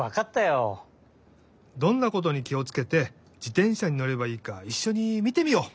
どんなことにきをつけて自転車にのればいいかいっしょにみてみよう！